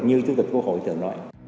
như chủ tịch quốc hội thường nói